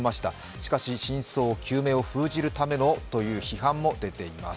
しかし、真相究明を封じるためのという批判も出ています。